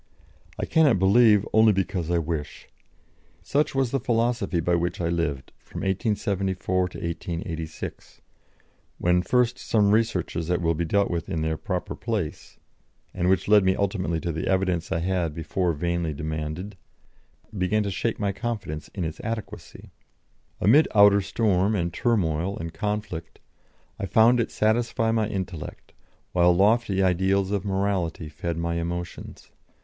I cannot believe only because I wish." Such was the philosophy by which I lived from 1874 to 1886, when first some researches that will be dealt with in their proper place, and which led me ultimately to the evidence I had before vainly demanded, began to shake my confidence in its adequacy. Amid outer storm and turmoil and conflict, I found it satisfy my intellect, while lofty ideals of morality fed my emotions.